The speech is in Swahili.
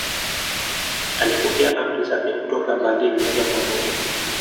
Alipokea amri zake kutoka Berlin moja kwa moja